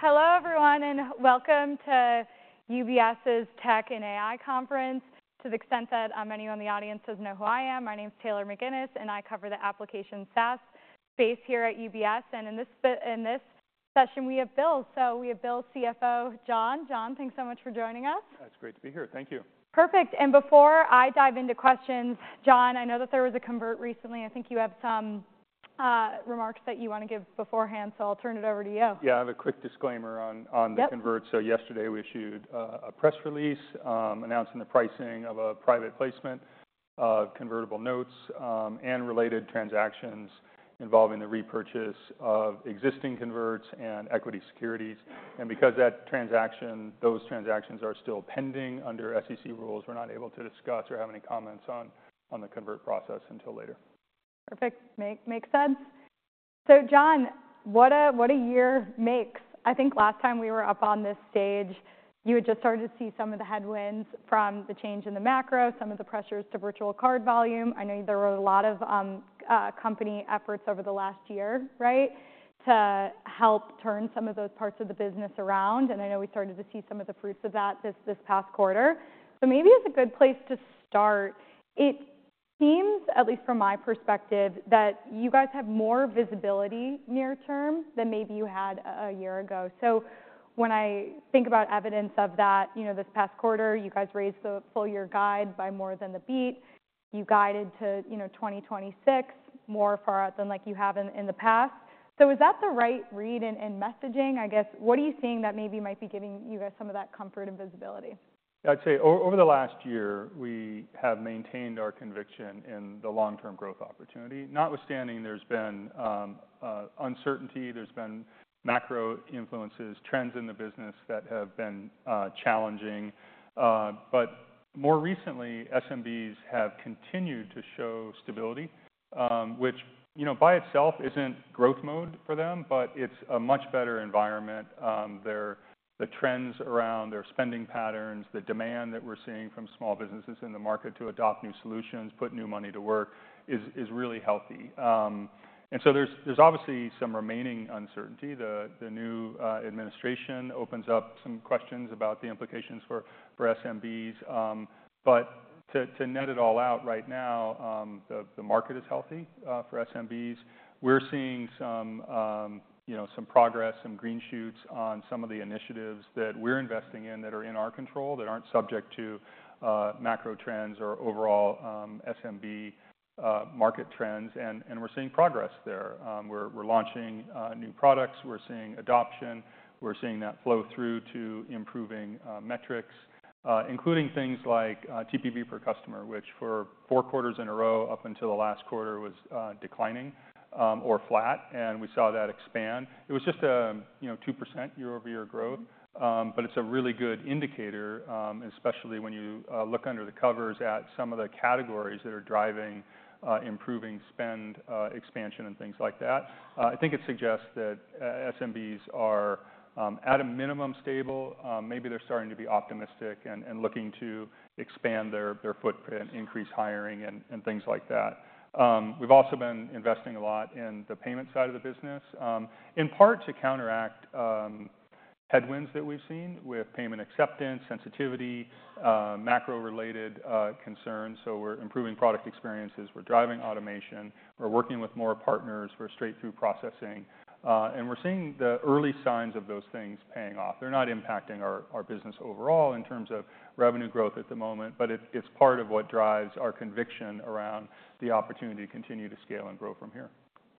Okay. Hello, everyone, and welcome to UBS's Tech and AI Conference. To the extent that many of you in the audience know who I am, my name is Taylor McGinnis, and I cover the application SaaS space here at UBS, and in this session, we have BILL, so we have BILL CFO John Rettig. John, thanks so much for joining us. It's great to be here. Thank you. Perfect, and before I dive into questions, John, I know that there was a convertible recently. I think you have some remarks that you want to give beforehand, so I'll turn it over to you. Yeah, I have a quick disclaimer on the convert. So yesterday, we issued a press release announcing the pricing of a private placement of convertible notes and related transactions involving the repurchase of existing converts and equity securities. And because those transactions are still pending under SEC rules, we're not able to discuss or have any comments on the convert process until later. Perfect. Makes sense. So John, what a year makes. I think last time we were up on this stage, you had just started to see some of the headwinds from the change in the macro, some of the pressures to virtual card volume. I know there were a lot of company efforts over the last year, right, to help turn some of those parts of the business around. And I know we started to see some of the fruits of that this past quarter. So maybe it's a good place to start. It seems, at least from my perspective, that you guys have more visibility near-term than maybe you had a year ago. So when I think about evidence of that, this past quarter, you guys raised the full-year guide by more than the beat. You guided to 2026 more far out than you have in the past. So is that the right read and messaging? I guess, what are you seeing that maybe might be giving you guys some of that comfort and visibility? I'd say over the last year, we have maintained our conviction in the long-term growth opportunity. Notwithstanding, there's been uncertainty. There's been macro influences, trends in the business that have been challenging. But more recently, SMBs have continued to show stability, which by itself isn't growth mode for them, but it's a much better environment. The trends around their spending patterns, the demand that we're seeing from small businesses in the market to adopt new solutions, put new money to work, is really healthy. And so there's obviously some remaining uncertainty. The new administration opens up some questions about the implications for SMBs. But to net it all out right now, the market is healthy for SMBs. We're seeing some progress, some green shoots on some of the initiatives that we're investing in that are in our control, that aren't subject to macro trends or overall SMB market trends. We're seeing progress there. We're launching new products. We're seeing adoption. We're seeing that flow through to improving metrics, including things like TPV per customer, which for four quarters in a row up until the last quarter was declining or flat. We saw that expand. It was just a 2% year-over-year growth, but it's a really good indicator, especially when you look under the covers at some of the categories that are driving improving spend expansion and things like that. I think it suggests that SMBs are at a minimum stable. Maybe they're starting to be optimistic and looking to expand their footprint, increase hiring, and things like that. We've also been investing a lot in the payment side of the business, in part to counteract headwinds that we've seen with payment acceptance, sensitivity, macro-related concerns. We're improving product experiences. We're driving automation. We're working with more partners for straight-through processing, and we're seeing the early signs of those things paying off. They're not impacting our business overall in terms of revenue growth at the moment, but it's part of what drives our conviction around the opportunity to continue to scale and grow from here.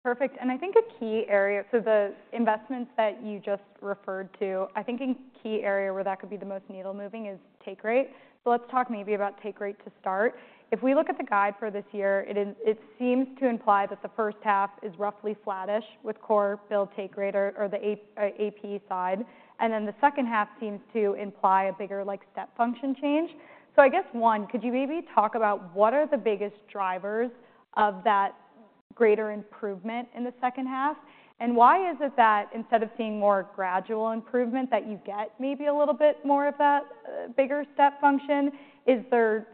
Perfect. And I think a key area for the investments that you just referred to, I think a key area where that could be the most needle-moving is take rate. So let's talk maybe about take rate to start. If we look at the guide for this year, it seems to imply that the first half is roughly flattish with core BILL take rate or the AP side. And then the second half seems to imply a bigger step function change. So I guess, one, could you maybe talk about what are the biggest drivers of that greater improvement in the second half? And why is it that instead of seeing more gradual improvement that you get maybe a little bit more of that bigger step function? Is there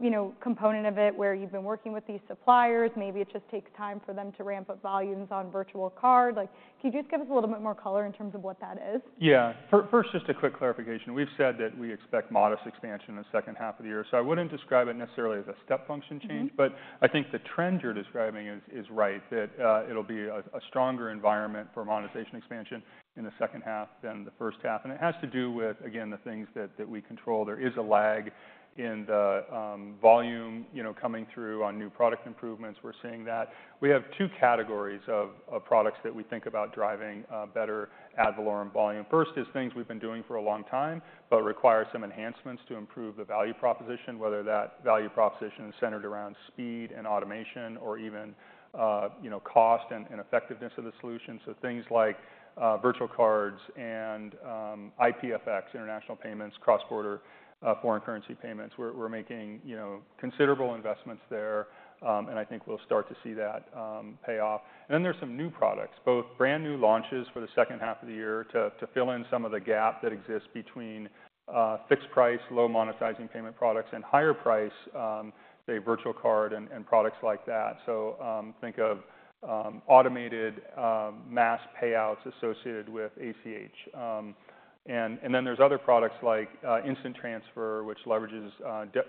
some component of it where you've been working with these suppliers? Maybe it just takes time for them to ramp up volumes on virtual card. Can you just give us a little bit more color in terms of what that is? Yeah. First, just a quick clarification. We've said that we expect modest expansion in the second half of the year. So I wouldn't describe it necessarily as a step function change, but I think the trend you're describing is right, that it'll be a stronger environment for monetization expansion in the second half than the first half. And it has to do with, again, the things that we control. There is a lag in the volume coming through on new product improvements. We're seeing that. We have two categories of products that we think about driving better ad valorem volume. First is things we've been doing for a long time but require some enhancements to improve the value proposition, whether that value proposition is centered around speed and automation or even cost and effectiveness of the solution. So things like virtual cards and IPFX, international payments, cross-border foreign currency payments. We're making considerable investments there, and I think we'll start to see that pay off. And then there's some new products, both brand new launches for the second half of the year to fill in some of the gap that exists between fixed-price, low-monetizing payment products and higher-price, say, virtual card and products like that. So think of automated mass payouts associated with ACH. And then there's other products like Instant Transfer, which leverages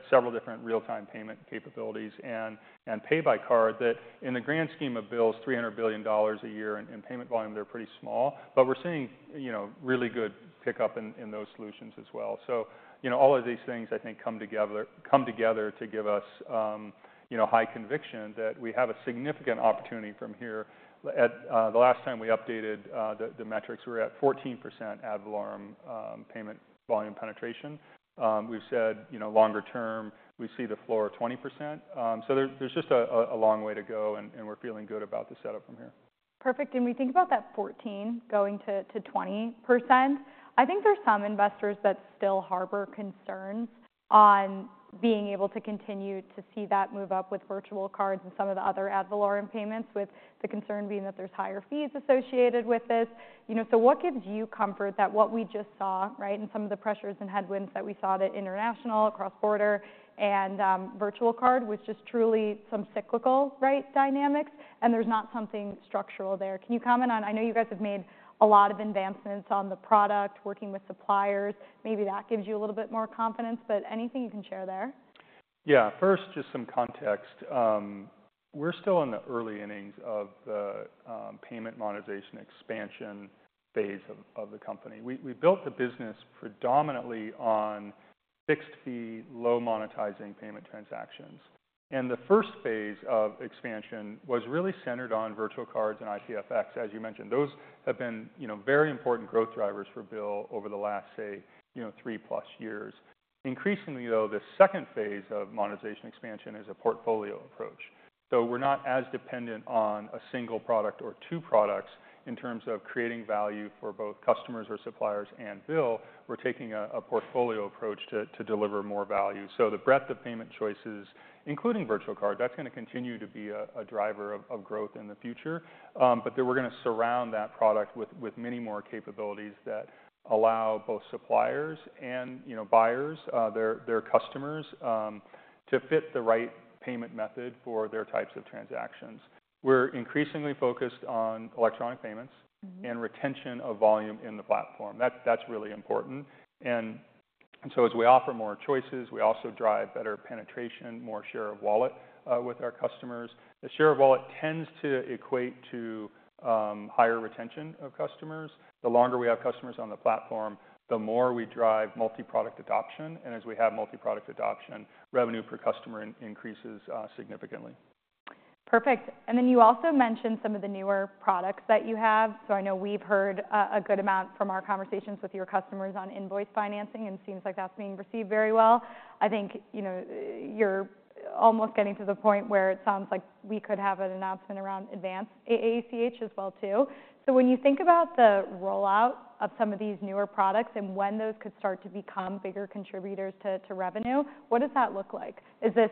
several different real-time payment capabilities, and Pay By Card that, in the grand scheme of BILL's $300 billion a year in payment volume, they're pretty small. But we're seeing really good pickup in those solutions as well. So all of these things, I think, come together to give us high conviction that we have a significant opportunity from here. The last time we updated the metrics, we were at 14% ad valorem payment volume penetration. We've said longer term, we see the floor of 20%. So there's just a long way to go, and we're feeling good about the setup from here. Perfect. And we think about that 14% going to 20%. I think there are some investors that still harbor concerns on being able to continue to see that move up with virtual cards and some of the other ad valorem payments, with the concern being that there's higher fees associated with this. So what gives you comfort that what we just saw, right, and some of the pressures and headwinds that we saw at international, cross-border, and virtual card was just truly some cyclical dynamics and there's not something structural there? Can you comment on, I know you guys have made a lot of advancements on the product, working with suppliers. Maybe that gives you a little bit more confidence, but anything you can share there? Yeah. First, just some context. We're still in the early innings of the payment monetization expansion phase of the company. We built the business predominantly on fixed-fee, low-monetizing payment transactions, and the first phase of expansion was really centered on virtual cards and IPFX, as you mentioned. Those have been very important growth drivers for BILL over the last, say, three-plus years. Increasingly, though, the second phase of monetization expansion is a portfolio approach, so we're not as dependent on a single product or two products in terms of creating value for both customers or suppliers and BILL. We're taking a portfolio approach to deliver more value, so the breadth of payment choices, including virtual card, that's going to continue to be a driver of growth in the future. But we're going to surround that product with many more capabilities that allow both suppliers and buyers, their customers, to fit the right payment method for their types of transactions. We're increasingly focused on electronic payments and retention of volume in the platform. That's really important. And so as we offer more choices, we also drive better penetration, more share of wallet with our customers. The share of wallet tends to equate to higher retention of customers. The longer we have customers on the platform, the more we drive multi-product adoption. And as we have multi-product adoption, revenue per customer increases significantly. Perfect. And then you also mentioned some of the newer products that you have. So I know we've heard a good amount from our conversations with your customers on Invoice Financing, and it seems like that's being received very well. I think you're almost getting to the point where it sounds like we could have an announcement around advanced ACH as well, too. So when you think about the rollout of some of these newer products and when those could start to become bigger contributors to revenue, what does that look like? Is this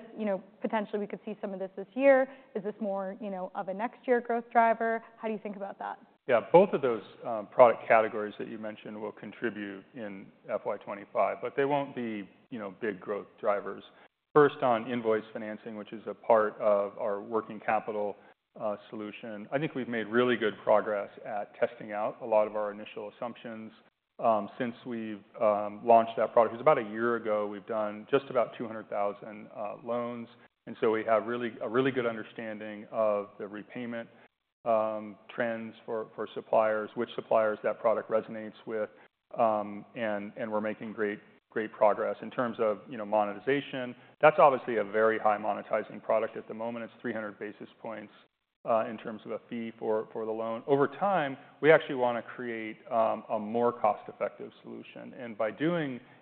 potentially we could see some of this this year? Is this more of a next-year growth driver? How do you think about that? Yeah. Both of those product categories that you mentioned will contribute in FY25, but they won't be big growth drivers. First, on Invoice Financing, which is a part of our working capital solution, I think we've made really good progress at testing out a lot of our initial assumptions since we've launched that product. It was about a year ago. We've done just about 200,000 loans. And so we have a really good understanding of the repayment trends for suppliers, which suppliers that product resonates with. And we're making great progress in terms of monetization. That's obviously a very high-monetizing product at the moment. It's 300 basis points in terms of a fee for the loan. Over time, we actually want to create a more cost-effective solution.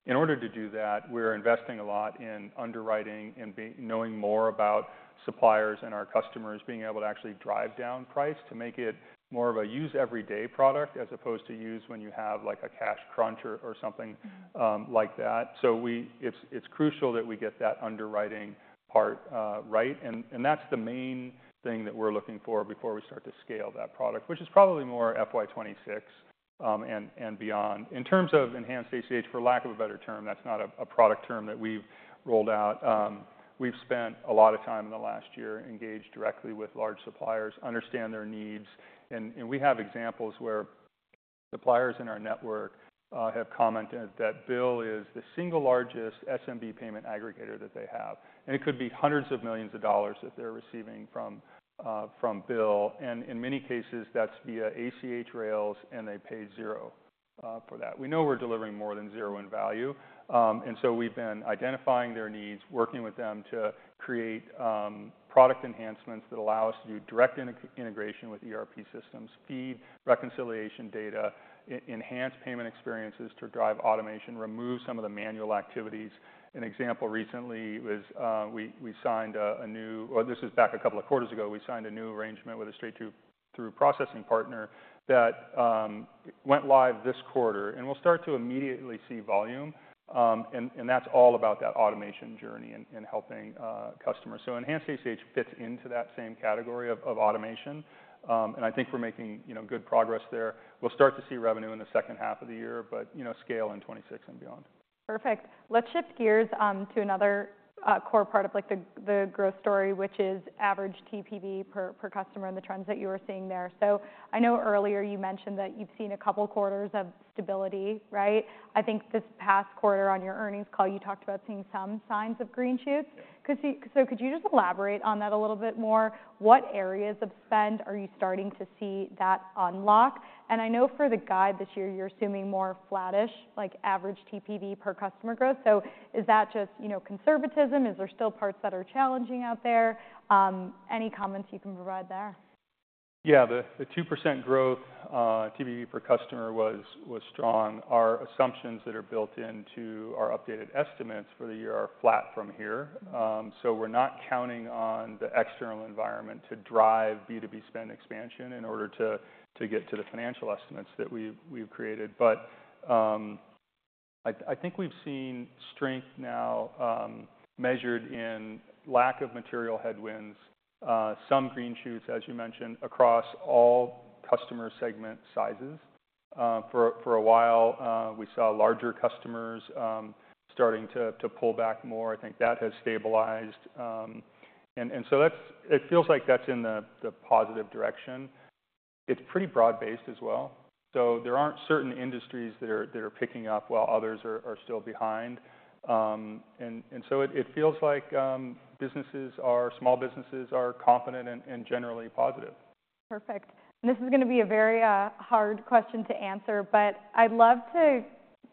In order to do that, we're investing a lot in underwriting and knowing more about suppliers and our customers, being able to actually drive down price to make it more of a use-everyday product as opposed to use when you have a cash crunch or something like that. It's crucial that we get that underwriting part right. That's the main thing that we're looking for before we start to scale that product, which is probably more FY26 and beyond. In terms of enhanced ACH, for lack of a better term, that's not a product term that we've rolled out. We've spent a lot of time in the last year engaged directly with large suppliers, understand their needs. We have examples where suppliers in our network have commented that Bill is the single largest SMB payment aggregator that they have. It could be hundreds of millions of dollars that they're receiving from BILL. And in many cases, that's via ACH rails, and they paid xero for that. We know we're delivering more than xero in value. And so we've been identifying their needs, working with them to create product enhancements that allow us to do direct integration with ERP systems, feed reconciliation data, enhance payment experiences to drive automation, remove some of the manual activities. An example recently was we signed a new, or this was back a couple of quarters ago, we signed a new arrangement with a straight-through processing partner that went live this quarter. And we'll start to immediately see volume. And that's all about that automation journey and helping customers. So enhanced ACH fits into that same category of automation. And I think we're making good progress there. We'll start to see revenue in the second half of the year, but scale in 2026 and beyond. Perfect. Let's shift gears to another core part of the growth story, which is average TPV per customer and the trends that you were seeing there. So I know earlier you mentioned that you've seen a couple of quarters of stability, right? I think this past quarter on your earnings call, you talked about seeing some signs of green shoots. So could you just elaborate on that a little bit more? What areas of spend are you starting to see that unlock? And I know for the guide this year, you're assuming more flattish, like average TPV per customer growth. So is that just conservatism? Is there still parts that are challenging out there? Any comments you can provide there? Yeah. The 2% growth TPV per customer was strong. Our assumptions that are built into our updated estimates for the year are flat from here. So we're not counting on the external environment to drive B2B spend expansion in order to get to the financial estimates that we've created. But I think we've seen strength now measured in lack of material headwinds, some green shoots, as you mentioned, across all customer segment sizes. For a while, we saw larger customers starting to pull back more. I think that has stabilized. And so it feels like that's in the positive direction. It's pretty broad-based as well. So there aren't certain industries that are picking up while others are still behind. And so it feels like businesses, small businesses, are confident and generally positive. Perfect. And this is going to be a very hard question to answer, but I'd love to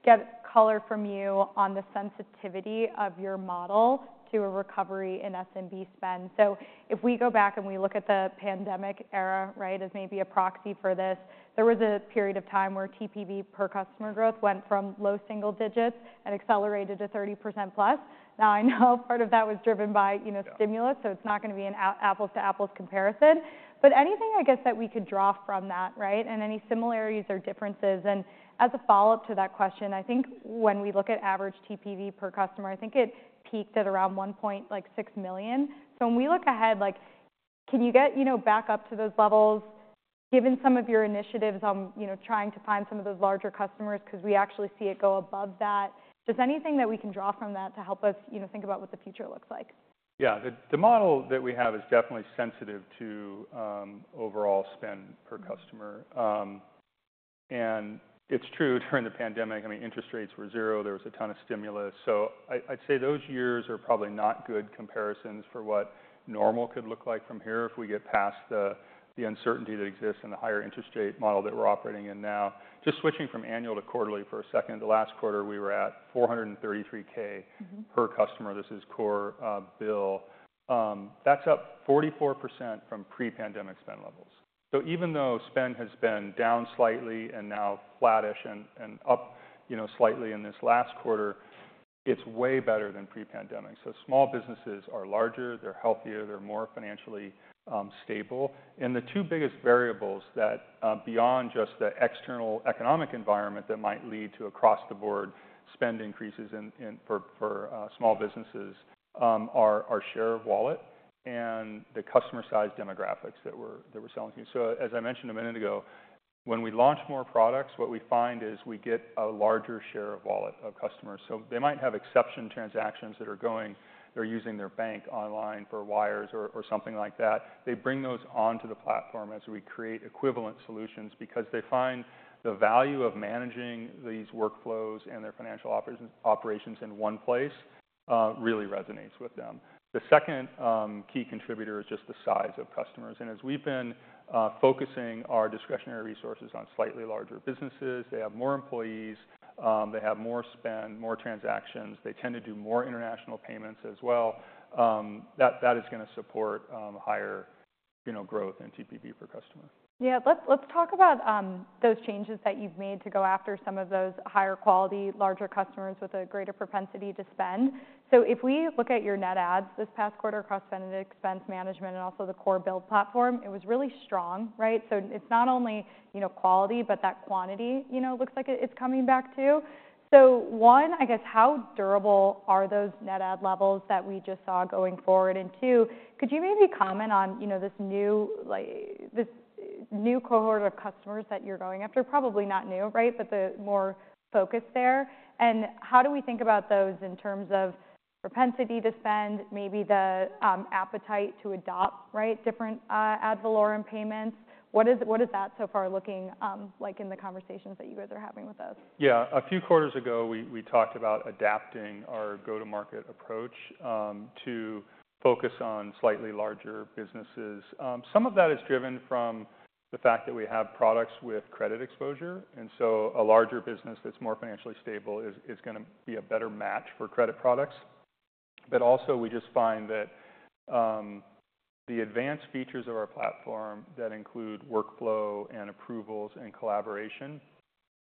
get color from you on the sensitivity of your model to a recovery in SMB spend. So if we go back and we look at the pandemic era, right, as maybe a proxy for this, there was a period of time where TPV per customer growth went from low single digits and accelerated to 30% plus. Now, I know part of that was driven by stimulus, so it's not going to be an apples-to-apples comparison. But anything, I guess, that we could draw from that, right, and any similarities or differences? And as a follow-up to that question, I think when we look at average TPV per customer, I think it peaked at around $1.6 million. So when we look ahead, can you get back up to those levels given some of your initiatives on trying to find some of those larger customers because we actually see it go above that? Just anything that we can draw from that to help us think about what the future looks like? Yeah. The model that we have is definitely sensitive to overall spend per customer, and it's true during the pandemic. I mean, interest rates were zero. There was a ton of stimulus. So I'd say those years are probably not good comparisons for what normal could look like from here if we get past the uncertainty that exists and the higher interest rate model that we're operating in now. Just switching from annual to quarterly for a second, the last quarter we were at 433K per customer. This is core BILL. That's up 44% from pre-pandemic spend levels. So even though spend has been down slightly and now flattish and up slightly in this last quarter, it's way better than pre-pandemic. So small businesses are larger. They're healthier. They're more financially stable. And the two biggest variables that, beyond just the external economic environment that might lead to across-the-board spend increases for small businesses, are share of wallet and the customer-sized demographics that we're selling to. So as I mentioned a minute ago, when we launch more products, what we find is we get a larger share of wallet of customers. So they might have exception transactions that are going, they're using their bank online for wires or something like that. They bring those onto the platform as we create equivalent solutions because they find the value of managing these workflows and their financial operations in one place really resonates with them. The second key contributor is just the size of customers. And as we've been focusing our discretionary resources on slightly larger businesses, they have more employees, they have more spend, more transactions, they tend to do more international payments as well. That is going to support higher growth in TPV per customer. Yeah. Let's talk about those changes that you've made to go after some of those higher quality, larger customers with a greater propensity to spend. So if we look at your net adds this past quarter across Spend and Expense management and also the core BILL platform, it was really strong, right? So it's not only quality, but that quantity looks like it's coming back too. So one, I guess, how durable are those net add levels that we just saw going forward? And two, could you maybe comment on this new cohort of customers that you're going after? Probably not new, right, but the more focus there. And how do we think about those in terms of propensity to spend, maybe the appetite to adopt, right, different ad valorem payments? What is that so far looking like in the conversations that you guys are having with us? Yeah. A few quarters ago, we talked about adapting our go-to-market approach to focus on slightly larger businesses. Some of that is driven from the fact that we have products with credit exposure. And so a larger business that's more financially stable is going to be a better match for credit products. But also, we just find that the advanced features of our platform that include workflow and approvals and collaboration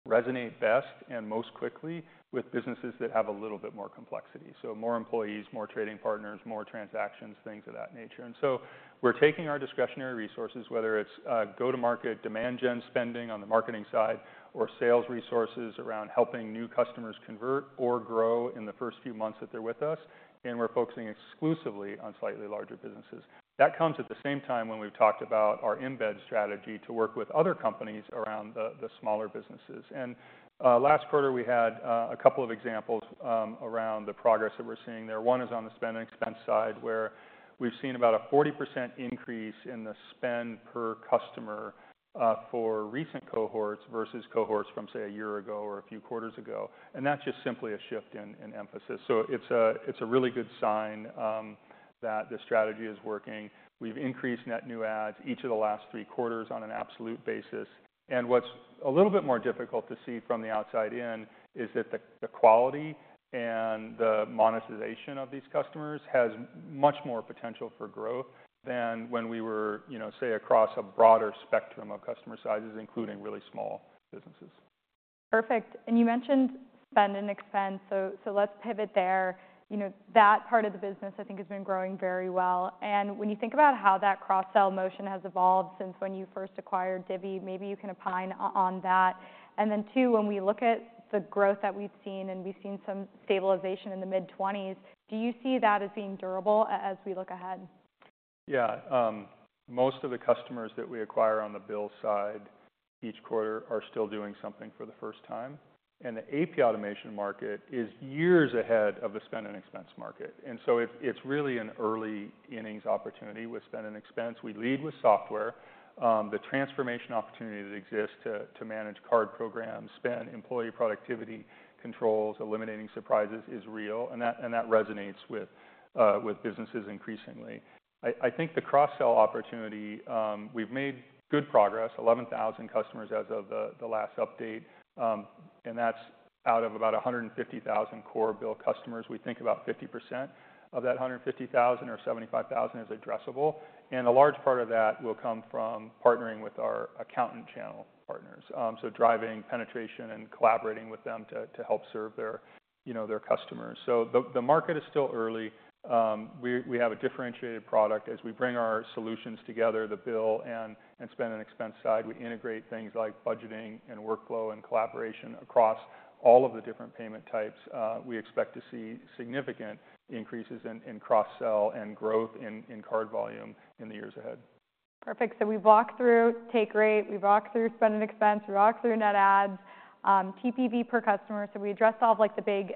resonate best and most quickly with businesses that have a little bit more complexity. So more employees, more trading partners, more transactions, things of that nature. And so we're taking our discretionary resources, whether it's go-to-market demand gen spending on the marketing side or sales resources around helping new customers convert or grow in the first few months that they're with us. And we're focusing exclusively on slightly larger businesses. That comes at the same time when we've talked about our embed strategy to work with other companies around the smaller businesses. And last quarter, we had a couple of examples around the progress that we're seeing there. One is on the spend and expense side where we've seen about a 40% increase in the spend per customer for recent cohorts versus cohorts from, say, a year ago or a few quarters ago. And that's just simply a shift in emphasis. So it's a really good sign that the strategy is working. We've increased net adds each of the last three quarters on an absolute basis. What's a little bit more difficult to see from the outside in is that the quality and the monetization of these customers has much more potential for growth than when we were, say, across a broader spectrum of customer sizes, including really small businesses. Perfect. And you mentioned spend and expense. So let's pivot there. That part of the business, I think, has been growing very well. And when you think about how that cross-sell motion has evolved since when you first acquired Divvy, maybe you can opine on that. And then, two, when we look at the growth that we've seen and we've seen some stabilization in the mid-20s%, do you see that as being durable as we look ahead? Yeah. Most of the customers that we acquire on the BILL side each quarter are still doing something for the first time. And the AP automation market is years ahead of the spend and expense market. And so it's really an early innings opportunity with spend and expense. We lead with software. The transformation opportunity that exists to manage card programs, spend, employee productivity controls, eliminating surprises is real. And that resonates with businesses increasingly. I think the cross-sell opportunity, we've made good progress, 11,000 customers as of the last update. And that's out of about 150,000 core BILL customers. We think about 50% of that 150,000 or 75,000 is addressable. And a large part of that will come from partnering with our accountant channel partners. So driving penetration and collaborating with them to help serve their customers. So the market is still early. We have a differentiated product. As we bring our solutions together, the BILL and Spend and Expense side, we integrate things like budgeting and workflow and collaboration across all of the different payment types. We expect to see significant increases in cross-sell and growth in card volume in the years ahead. Perfect. So we walk through take rate, we walk through spend and expense, we walk through net adds, TPV per customer. So we address all the big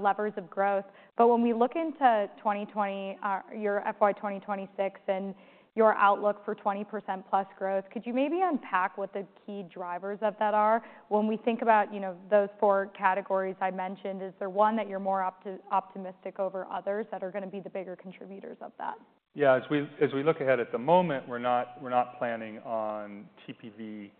levers of growth. But when we look into 2020, your FY26 and your outlook for 20% plus growth, could you maybe unpack what the key drivers of that are? When we think about those four categories I mentioned, is there one that you're more optimistic over others that are going to be the bigger contributors of that? Yeah. As we look ahead at the moment, we're not planning on TPV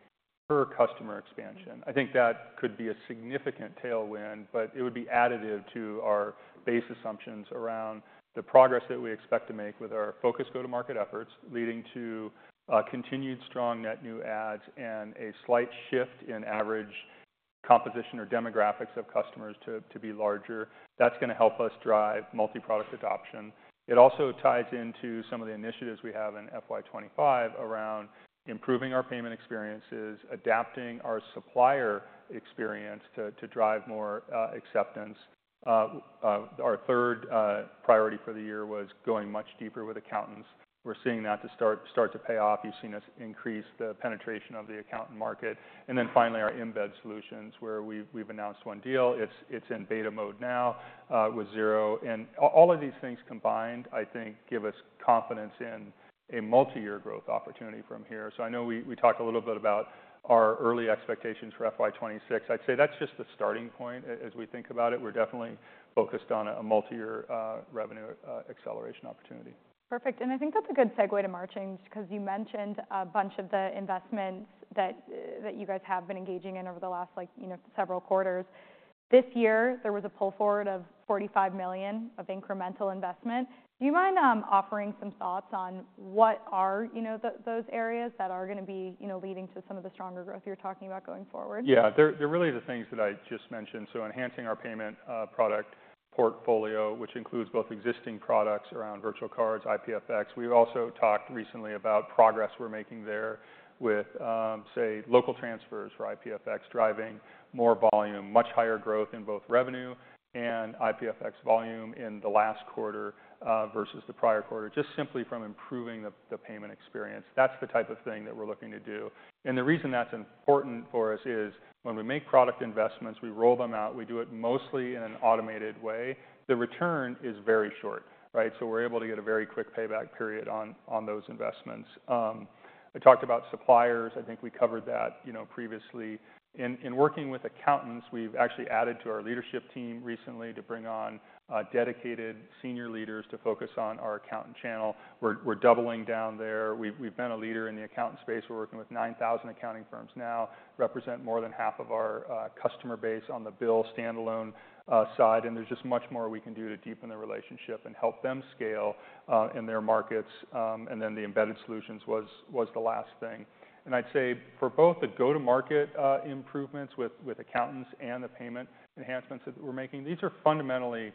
per customer expansion. I think that could be a significant tailwind, but it would be additive to our base assumptions around the progress that we expect to make with our focused go-to-market efforts leading to continued strong net adds and a slight shift in average composition or demographics of customers to be larger. That's going to help us drive multi-product adoption. It also ties into some of the initiatives we have in FY25 around improving our payment experiences, adapting our supplier experience to drive more acceptance. Our third priority for the year was going much deeper with accountants. We're seeing that to start to pay off. You've seen us increase the penetration of the accountant market. And then finally, our embedded solutions where we've announced one deal. It's in beta mode now with Xero. All of these things combined, I think, give us confidence in a multi-year growth opportunity from here. I know we talked a little bit about our early expectations for FY26. I'd say that's just the starting point. As we think about it, we're definitely focused on a multi-year revenue acceleration opportunity. Perfect. And I think that's a good segue to marketing because you mentioned a bunch of the investments that you guys have been engaging in over the last several quarters. This year, there was a pull forward of $45 million of incremental investment. Do you mind offering some thoughts on what are those areas that are going to be leading to some of the stronger growth you're talking about going forward? Yeah. They're really the things that I just mentioned. So enhancing our payment product portfolio, which includes both existing products around virtual cards, IPFX. We also talked recently about progress we're making there with, say, local transfers for IPFX, driving more volume, much higher growth in both revenue and IPFX volume in the last quarter versus the prior quarter, just simply from improving the payment experience. That's the type of thing that we're looking to do. And the reason that's important for us is when we make product investments, we roll them out. We do it mostly in an automated way. The return is very short, right? So we're able to get a very quick payback period on those investments. I talked about suppliers. I think we covered that previously. In working with accountants, we've actually added to our leadership team recently to bring on dedicated senior leaders to focus on our accountant channel. We're doubling down there. We've been a leader in the accountant space. We're working with 9,000 accounting firms now, represent more than half of our customer base on the BILL standalone side, and there's just much more we can do to deepen the relationship and help them scale in their markets, and then the embedded solutions was the last thing, and I'd say for both the go-to-market improvements with accountants and the payment enhancements that we're making, these are fundamentally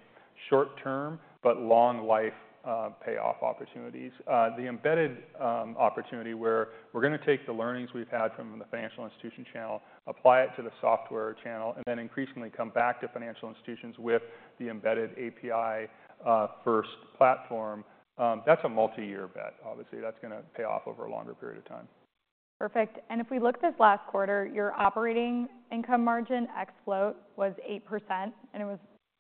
short-term, but long-life payoff opportunities. The embedded opportunity where we're going to take the learnings we've had from the financial institution channel, apply it to the software channel, and then increasingly come back to financial institutions with the embedded API-first platform, that's a multi-year bet, obviously. That's going to pay off over a longer period of time. Perfect. And if we look at this last quarter, your operating income margin ex float was 8%. And it was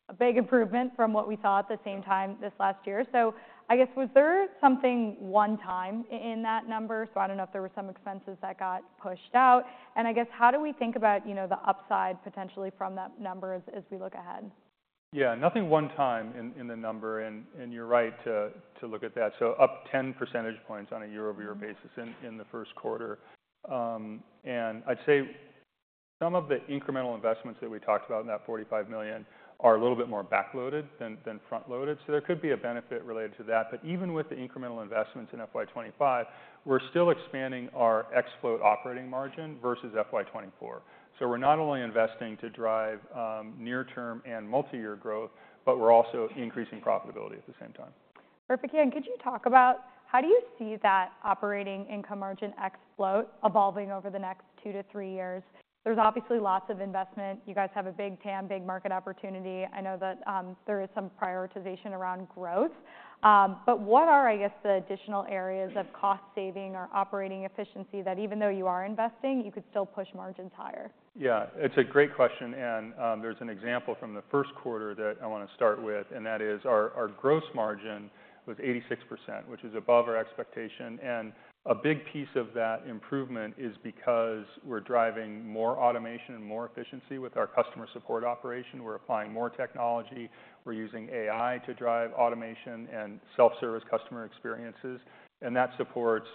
a big improvement from what we saw at the same time this last year. So, I guess, was there something one-time in that number? So I don't know if there were some expenses that got pushed out. And, I guess, how do we think about the upside potentially from that number as we look ahead? Yeah. Nothing one-time in the number. And you're right to look at that. So up 10 percentage points on a year-over-year basis in the first quarter. And I'd say some of the incremental investments that we talked about in that $45 million are a little bit more backloaded than front-loaded. So there could be a benefit related to that. But even with the incremental investments in FY25, we're still expanding our ex float operating margin versus FY24. So we're not only investing to drive near-term and multi-year growth, but we're also increasing profitability at the same time. Perfect. And could you talk about how do you see that operating income margin ex float evolving over the next two to three years? There's obviously lots of investment. You guys have a big TAM, big market opportunity. I know that there is some prioritization around growth. But what are, I guess, the additional areas of cost saving or operating efficiency that even though you are investing, you could still push margins higher? Yeah. It's a great question. And there's an example from the first quarter that I want to start with. And that is our gross margin was 86%, which is above our expectation. And a big piece of that improvement is because we're driving more automation and more efficiency with our customer support operation. We're applying more technology. We're using AI to drive automation and self-service customer experiences. And that supports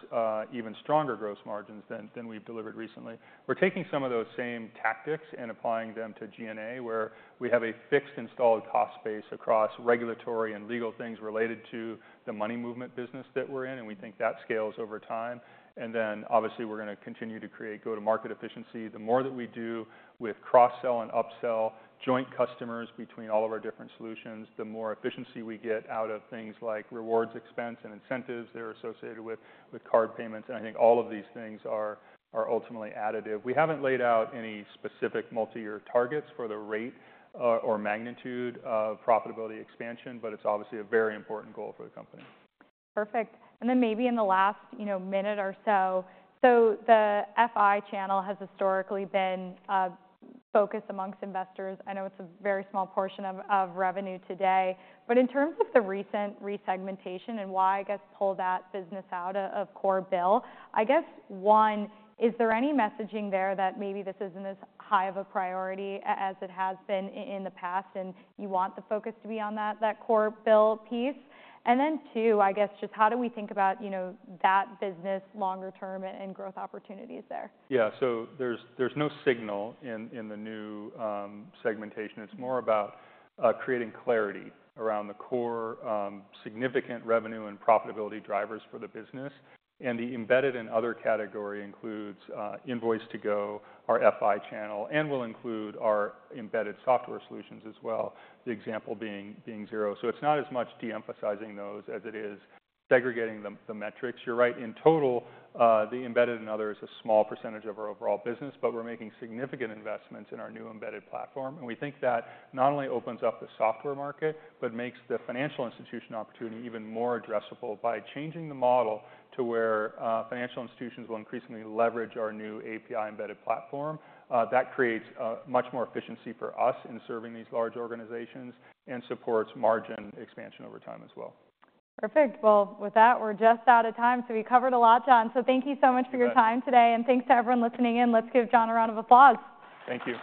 even stronger gross margins than we've delivered recently. We're taking some of those same tactics and applying them to G&A where we have a fixed installed cost space across regulatory and legal things related to the money movement business that we're in. And we think that scales over time. And then, obviously, we're going to continue to create go-to-market efficiency. The more that we do with cross-sell and up-sell joint customers between all of our different solutions, the more efficiency we get out of things like rewards, expense, and incentives that are associated with card payments. And I think all of these things are ultimately additive. We haven't laid out any specific multi-year targets for the rate or magnitude of profitability expansion, but it's obviously a very important goal for the company. Perfect. And then maybe in the last minute or so, so the FI Channel has historically been focused among investors. I know it's a very small portion of revenue today. But in terms of the recent resegmentation and why I guess pull that business out of core BILL, I guess, one, is there any messaging there that maybe this isn't as high of a priority as it has been in the past and you want the focus to be on that core BILL piece? And then two, I guess, just how do we think about that business longer term and growth opportunities there? Yeah, so there's no signal in the new segmentation. It's more about creating clarity around the core significant revenue and profitability drivers for the business, and the embedded and other category includes Invoice2go, our FI channel, and will include our embedded software solutions as well, the example being Xero, so it's not as much de-emphasizing those as it is segregating the metrics. You're right. In total, the embedded and other is a small percentage of our overall business, but we're making significant investments in our new embedded platform, and we think that not only opens up the software market, but makes the financial institution opportunity even more addressable by changing the model to where financial institutions will increasingly leverage our new API embedded platform. That creates much more efficiency for us in serving these large organizations and supports margin expansion over time as well. Perfect. Well, with that, we're just out of time. So we covered a lot, John. So thank you so much for your time today. And thanks to everyone listening in. Let's give John a round of applause. Thank you.